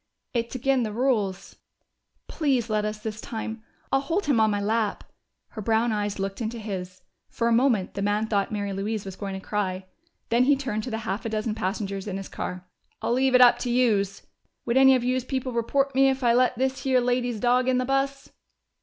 "It's agin' the rules " "Please let us this time! I'll hold him in my lap." Her brown eyes looked into his; for a moment the man thought Mary Louise was going to cry. Then he turned to the half a dozen passengers in his car. "I'll leave it up to youse. Would any of youse people report me if I let this here lady's dog in the bus?"